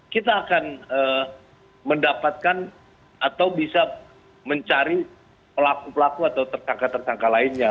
kita akan mendapatkan atau bisa mencari pelaku pelaku atau tersangka tersangka lainnya